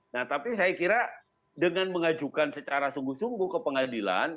nah tapi saya kira dengan mengajukan secara sungguh sungguh ke pengadilan